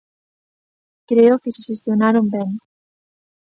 Creo que se xestionaron ben.